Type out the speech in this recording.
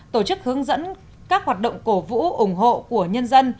tổ chức hướng dẫn các hoạt động cổ vũ ủng hộ của nhân dân